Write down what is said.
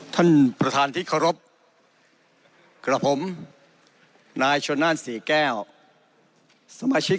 ท่านประธานที่เคารพกับผมนายชนนั่นศรีแก้วสมาชิก